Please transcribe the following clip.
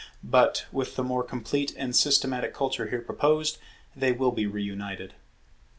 But, with the more complete and systematic culture here proposed, they will be re united.